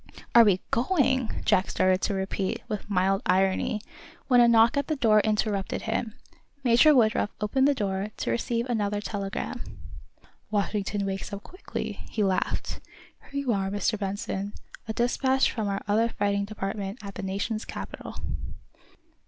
"Are we going " Jack started to repeat, with mild irony, when a knock at the door interrupted him. Major Woodruff opened the door, to receive another telegram. "Washington wakes up quickly," he laughed. "Here you are, Mr. Benson a despatch from our other fighting department at the Nation's capital."